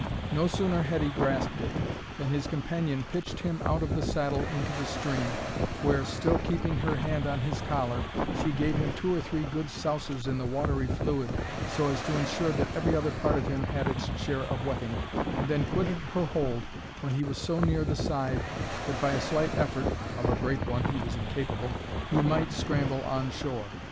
No sooner had he grasped it, than his companion pitched him out of the saddle into the stream, where, still keeping her hand on his collar, she gave him two or three good souses in the watery fluid, so as to ensure that every other part of him had its share of wetting, and then quitted her hold when he was so near the side that by a slight effort (of a great one he was incapable) he might scramble on shore.